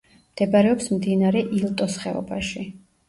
მდებარეობს მდინარე ილტოს ხეობაში.